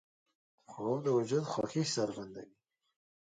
خوب د وجود خوښي څرګندوي